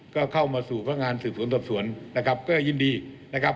ก็เข้ามาสู่พนักงานสืบสวนสอบสวนนะครับก็ยินดีนะครับ